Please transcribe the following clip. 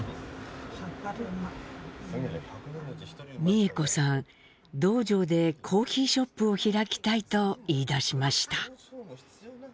美江子さん洞場でコーヒーショップを開きたいと言いだしました。